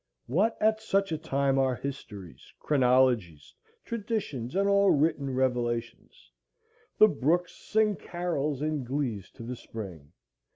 What at such a time are histories, chronologies, traditions, and all written revelations? The brooks sing carols and glees to the spring.